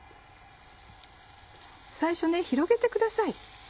最初広げてください。